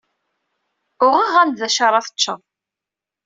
Uɣeɣ-am-d d acu ara teččeḍ.